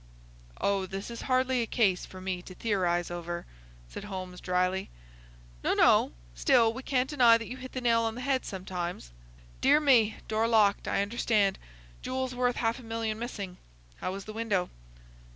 "Oh, this is hardly a case for me to theorise over," said Holmes, dryly. "No, no. Still, we can't deny that you hit the nail on the head sometimes. Dear me! Door locked, I understand. Jewels worth half a million missing. How was the window?"